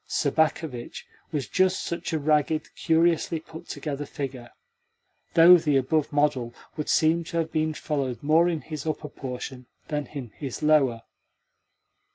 Sobakevitch was just such a ragged, curiously put together figure though the above model would seem to have been followed more in his upper portion than in his lower.